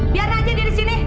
biar aja dia disini